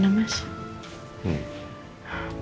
dari kamar reina mas